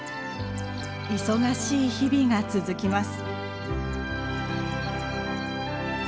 忙しい日々が続きます。